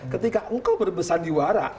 ketika engkau berbesan di wara